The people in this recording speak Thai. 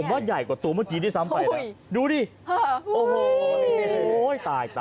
ผมว่าใหญ่กว่าตัวเมื่อกี้ทีซ้ำไปดูดิโอ้โหตาย